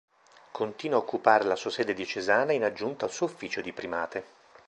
Continua a occupare la sua sede diocesana in aggiunta al suo ufficio di primate.